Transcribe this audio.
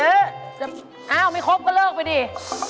อ้าวไม่ครบก็เลิกไปดิ